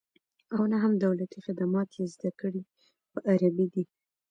او نه هم دولتي خدمات یې زده کړې په عربي دي